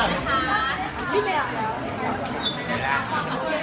ขอบคุณแม่ก่อนต้องกลางนะครับ